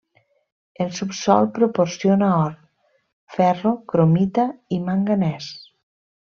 El subsòl proporciona or, ferro, cromita i manganès.